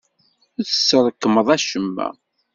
Ur tesrekmeḍ acemma.